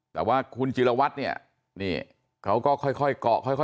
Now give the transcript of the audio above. แต่ว่าคุณจิลวัตรเนี่ยนี่เขาก็ค่อยเกาะค่อย